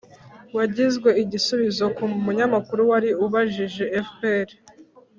wagizwe igisubizo ku munyamakuru wari ubajije fpr